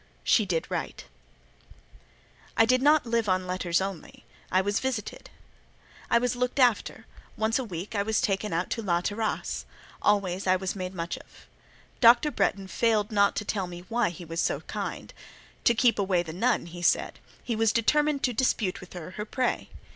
She did right. I did not live on letters only: I was visited, I was looked after; once a week I was taken out to La Terrasse; always I was made much of. Dr. Bretton failed not to tell me why he was so kind: "To keep away the nun," he said; "he was determined to dispute with her her prey.